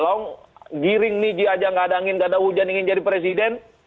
lo giring nih di ajang nggak ada angin nggak ada hujan ingin jadi presiden